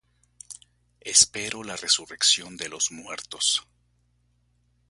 Espero la resurrección de los muertos